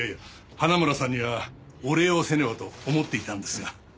花村さんにはお礼をせねばと思っていたのですが。